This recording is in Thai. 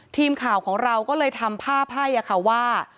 ทีมข่าวของเราก็เลยทำภาพให้ค่ะว่า